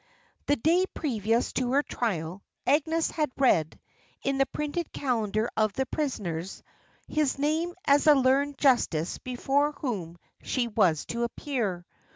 The day previous to her trial, Agnes had read, in the printed calendar of the prisoners, his name as the learned justice before whom she was to appear.